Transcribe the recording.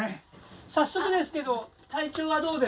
早速ですけど体調はどうですか？